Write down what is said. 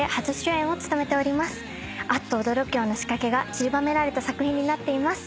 あっと驚くような仕掛けがちりばめられた作品になってます。